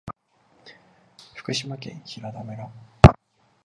福島県平田村